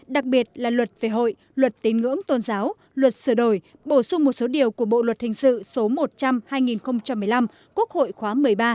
đặc biệt là luật về hội luật tín ngưỡng tôn giáo luật sửa đổi bổ sung một số điều của bộ luật hình sự số một trăm linh hai nghìn một mươi năm quốc hội khóa một mươi ba